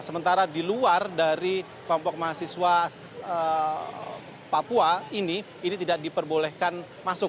sementara di luar dari kelompok mahasiswa papua ini ini tidak diperbolehkan masuk